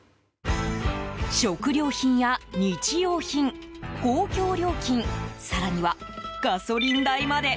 食料品や日用品、公共料金更にはガソリン代まで。